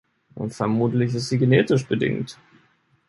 Vermutlich ist sie genetisch bedingt.